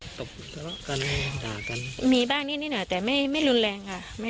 มีบ้างนิดหน่อยแต่ไม่รุนแรง